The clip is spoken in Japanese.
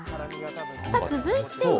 さあ、続いては。